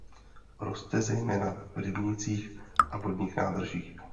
Roste zejména v rybnících a vodních nádržích.